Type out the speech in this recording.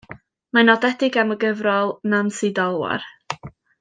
Mae'n nodedig am y gyfrol Nansi Dolwar.